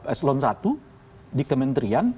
eslon i di kementerian